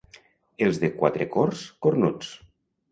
Els de Quatrecorts, cornuts.